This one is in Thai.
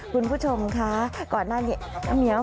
คุณผู้ชมคะก่อนหน้านี้